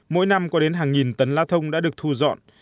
mỗi năm có đến hàng nghìn tấn lá thông đã được thu dọn